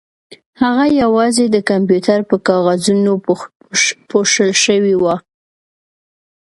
هغه یوازې د کمپیوټر په کاغذونو پوښل شوې وه